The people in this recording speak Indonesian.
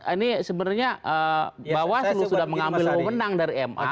ini sebenarnya bawaslu sudah mengambil wewenang dari ma